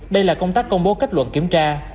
đây là công tác công bố kết luận kiểm tra